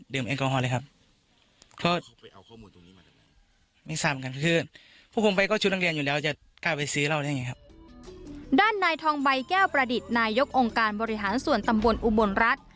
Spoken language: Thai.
ด้านนายทองใบแก้วประดิษฐ์นายกองค์การบริหารส่วนตำบลอุบลรัฐ